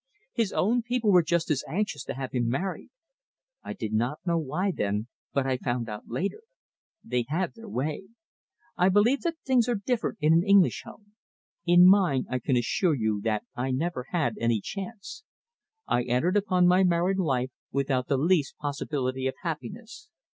His own people were just as anxious to have him married. I did not know why then, but I found out later on. They had their way. I believe that things are different in an English home. In mine, I can assure you that I never had any chance. I entered upon my married life without the least possibility of happiness.